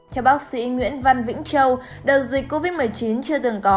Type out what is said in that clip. theo bác sĩ nguyễn văn vĩnh châu đợt dịch covid một mươi chín chưa từng có